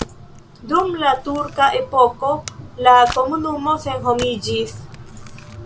Dum la turka epoko la komunumo senhomiĝis.